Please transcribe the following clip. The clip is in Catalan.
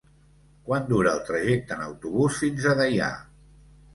Quant dura el trajecte en autobús fins a Deià?